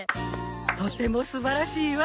とても素晴らしいわ。